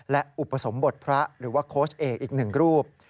และอุปสมบทพระหรือว่าโค้ชเอกอีกหนึ่งรูป